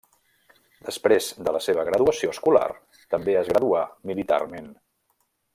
Després de la seva graduació escolar, també es graduà militarment.